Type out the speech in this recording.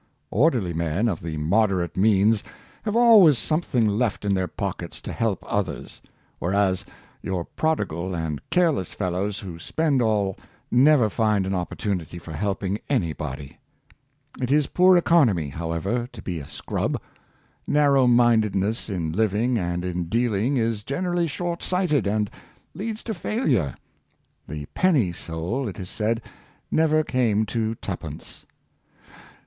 Orderly men of moderate means have always something left in their pockets to help others; whereas your prodigal and careless fellows who spend all never find an opportunity for helping any body. It is poor economy, however, to be a scrub. Narrow mindedness in living and in dealing is gener ally short sighted, and leads to failure. The penny soul, it is said never came to twopence.